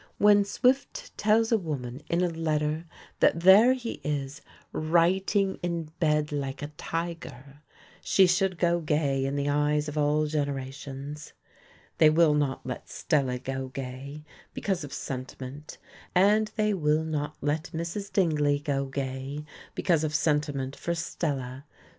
When Swift tells a woman in a letter that there he is "writing in bed, like a tiger," she should go gay in the eyes of all generations. They will not let Stella go gay, because of sentiment; and they will not let Mrs. Dingley go gay, because of sentiment for Stella.